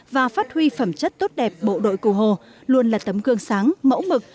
và phát huy phẩm chất tốt đẹp bộ đội cụ hồ luôn là tấm gương sáng mẫu mực